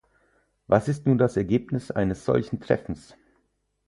Was ist nun das Ergebnis eines solchen Treffens?